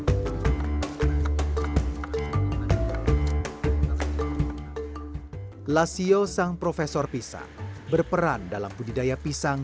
tapi disitu juga abang nou wifi nya versi lawan kabin